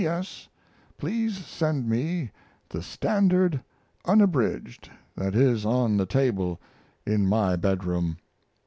P. S. Please send me the Standard Unabridged that is on the table in my bedroom.